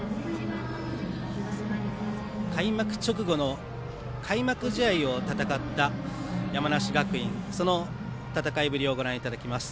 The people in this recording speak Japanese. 開幕直後の開幕試合を戦った山梨学院、その戦いぶりをご覧いただきます。